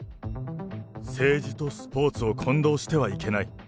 政治とスポーツを混同してはいけない。